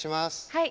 はい。